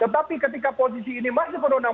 tapi ketika posisi ini masih penduduk undang undang